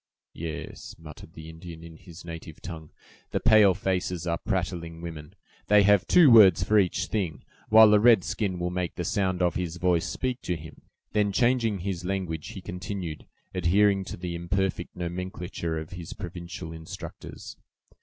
"Yes," muttered the Indian, in his native tongue; "the pale faces are prattling women! they have two words for each thing, while a red skin will make the sound of his voice speak for him." Then, changing his language, he continued, adhering to the imperfect nomenclature of his provincial instructors.